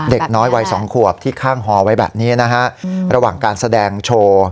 เด็กน้อยวัยสองขวบที่ข้างฮอไว้แบบนี้นะฮะระหว่างการแสดงโชว์